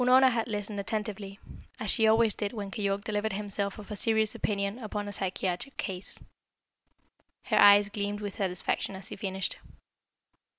Unorna had listened attentively, as she always did when Keyork delivered himself of a serious opinion upon a psychiatric case. Her eyes gleamed with satisfaction as he finished.